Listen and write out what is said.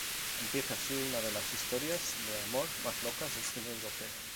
Empieza así una de las historias de amor más locas del cine europeo.